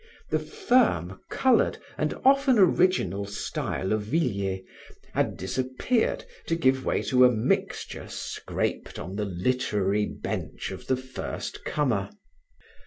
The firm, colored and often original style of Villiers had disappeared to give way to a mixture scraped on the literary bench of the first comer.